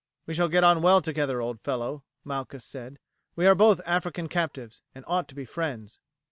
"We shall get on well together, old fellow," Malchus said. "We are both African captives, and ought to be friends."